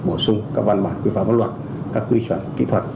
bổ sung các văn bản quy pháp văn luật các quy chuẩn kỹ thuật